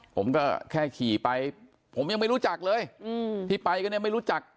ผมก็แค่ขี่ไปผมยังไม่รู้จักเลยที่ไปกันเนี่ยไม่รู้จัก